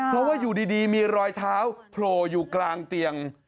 เพราะว่าอยู่ดีมีรอยเท้าโผล่อยู่กลางเตียง